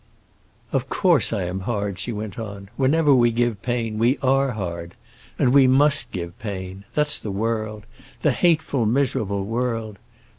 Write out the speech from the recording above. "Of course I am hard," she went on. "Whenever we give pain we are hard. And we must give pain; that's the world,—the hateful, miserable world!